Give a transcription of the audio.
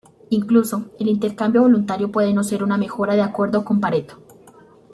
Incluso el intercambio voluntario puede no ser una mejora de acuerdo con Pareto.